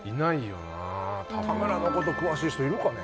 田村のこと詳しい人いるかね？